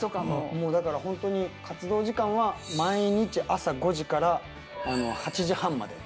もうだから本当に活動時間は毎日朝５時から８時半まで。